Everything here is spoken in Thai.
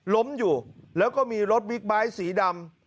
ล้มอยู่แล้วก็มีรถวิกบ้ายสีดำ